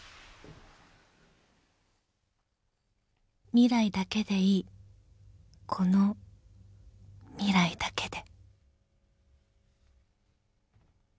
［未来だけでいいこの未来だけで］